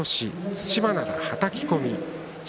對馬洋、はたき込みの勝ち。